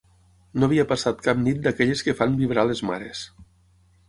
No havia passat cap nit d'aquelles que fan vibrar les mares